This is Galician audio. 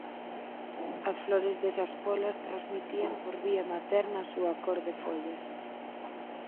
As flores desas pólas transmitían por vía materna a súa cor de follas.